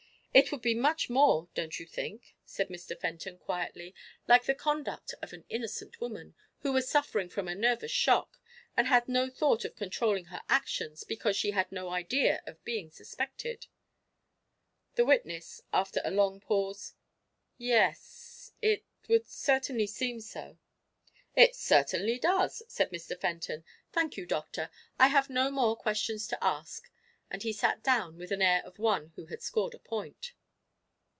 "It would be much more, don't you think," said Mr. Fenton quietly, "like the conduct of an innocent woman, who was suffering from a nervous shock, and had no thought of controlling her actions because she had no idea of being suspected?" The witness, after a long pause: "Yes, it would certainly seem so." "It certainly does," said Mr. Fenton. "Thank you, doctor. I have no more questions to ask." And he sat down with the air of one who has scored a point.